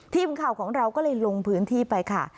ทีมข่าวของเราก็เลยลงพื้นที่ไปค่ะ